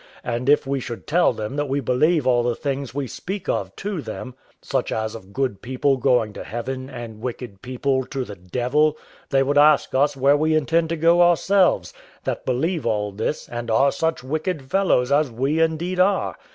And if we should tell them that we believe all the things we speak of to them, such as of good people going to heaven, and wicked people to the devil, they would ask us where we intend to go ourselves, that believe all this, and are such wicked fellows as we indeed are?